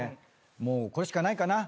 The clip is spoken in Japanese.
もうこれしかないかな。